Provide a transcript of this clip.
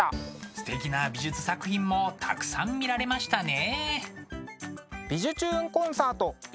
すてきな美術作品もたくさん見られましたね。